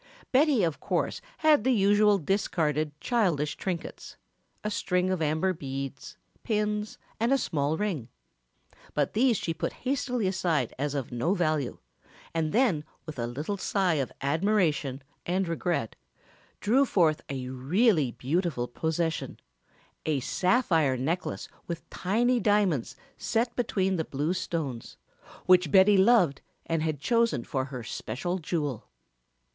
Betty of course had the usual discarded childish trinkets a string of amber beads, pins and a small ring but these she put hastily aside as of no value, and then with a little sigh of admiration and regret drew forth a really beautiful possession, a sapphire necklace with tiny diamonds set between the blue stones, which Betty loved and had chosen for her special jewel.